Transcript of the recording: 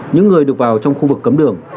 những người được vào trong khu vực cấm đường